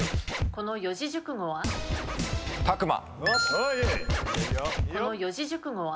この四字熟語は？